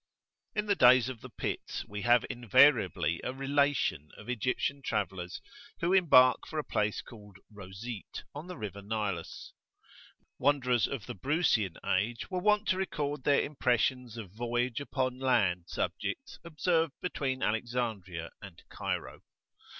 IN the days of the Pitts we have invariably a "Relation" of Egyptian travellers who embark for a place called "Roseet" on the "River Nilus." Wanderers of the Brucean age were wont to record their impressions of voyage upon land subjects observed between Alexandria and Cairo.